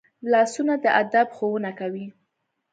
لاسونه د ادب ښوونه کوي